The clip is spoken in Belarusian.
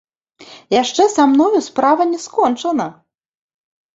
Яшчэ са мною справа не скончана.